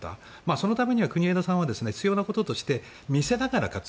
そのためには国枝さんは必要なこととして見せながら勝つ。